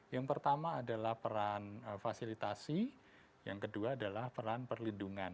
yang pertama adalah peran fasilitasi yang kedua adalah peran perlindungan